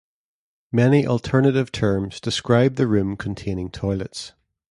Many alternative terms describe the room containing toilets.